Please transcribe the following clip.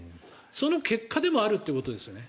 その結果でもあるということですよね。